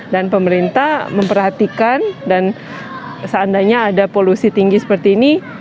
dan pemerintah memperhatikan dan seandainya ada polusi tinggi seperti ini